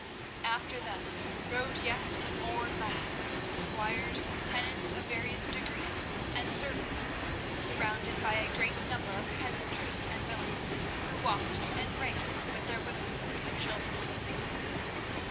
After them rode yet more knights, squires, tenants of various degree, and servants, surrounded by a great number of peasantry and villeins, who walked and ran with their women folk and children.